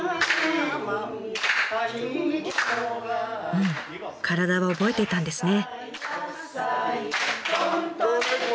うん体は覚えていたんですね。